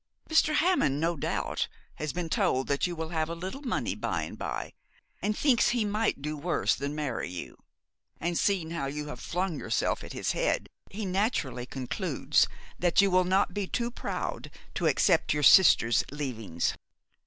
Mr. Hammond no doubt has been told that you will have a little money by and by, and thinks he might do worse than marry you. And seeing how you have flung yourself at his head, he naturally concludes that you will not be too proud to accept your sister's leavings.'